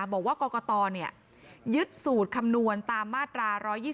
บอกว่ากรกตยึดสูตรคำนวณตามมาตรา๑๒๒